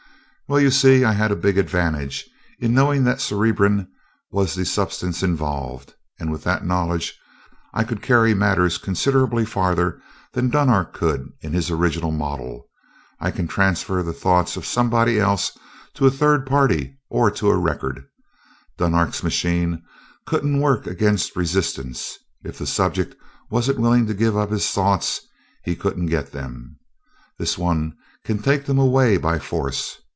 "Well, you see, I had a big advantage in knowing that cerebrin was the substance involved, and with that knowledge I could carry matters considerably farther than Dunark could in his original model. I can transfer the thoughts of somebody else to a third party or to a record. Dunark's machine couldn't work against resistance if the subject wasn't willing to give up his thoughts he couldn't get them. This one can take them away by force.